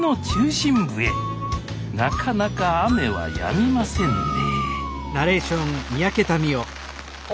なかなか雨はやみませんねえ